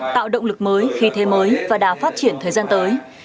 tạo động lực mới khí thế mới và đà phát triển thời gian tới